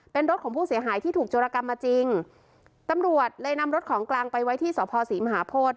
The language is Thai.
เป็นรถของผู้เสียหายที่ถูกโจรกรรมมาจริงตำรวจเลยนำรถของกลางไปไว้ที่สภศรีมหาโพธิ